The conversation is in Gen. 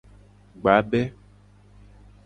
Gbabe.